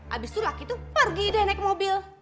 abis itu laki itu pergi deh naik mobil